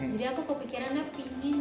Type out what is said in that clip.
jadi aku kepikirannya pengen